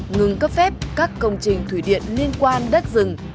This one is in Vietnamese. ngừng cấp phép các công trình thủy điện liên quan đất rừng